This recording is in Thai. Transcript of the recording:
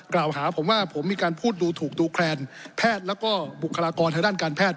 กล่าวหาผมว่าผมมีการพูดดูถูกดูแคลนแพทย์แล้วก็บุคลากรทางด้านการแพทย์